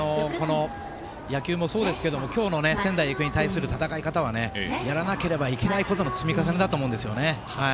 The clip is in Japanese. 野球もそうですが今日の仙台育英に対する戦い方はやらなければいけないことの積み重ねだと思うんですね。